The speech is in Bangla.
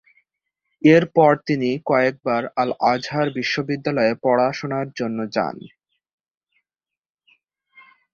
এরপর তিনি কায়রোর আল-আজহার বিশ্ববিদ্যালয়ে পড়াশোনার জন্য যান।